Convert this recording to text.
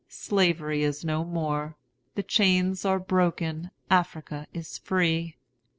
'Slavery is no more!' 'The chains are broken, Africa is free!'